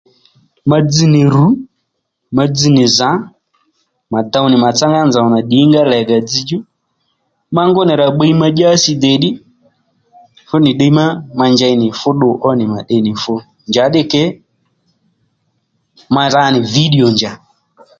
Ma dzz nì ru ma dzz nì zǎ mà ddow nì màtsá ngá nzòw nà ddìnga ó lègà dzzdjú ma ngú nì ra bbiy ma dyási dè ddí fú nì ddiy ma ma njeynì fú ddu ó nì mà de nì fu njàddî ke ma ra nì video njà